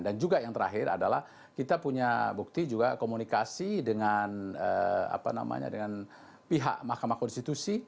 dan juga yang terakhir adalah kita punya bukti juga komunikasi dengan pihak mahkamah konstitusi